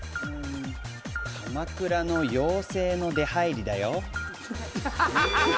鎌倉の妖精の出入りだよ。